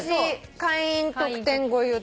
「会員特典ご優待」